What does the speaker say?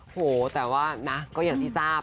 โหแต่ว่านะก็อย่างที่ทราบ